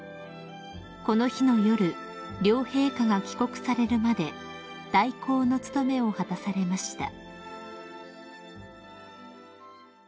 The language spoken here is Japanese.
［この日の夜両陛下が帰国されるまで代行の務めを果たされました］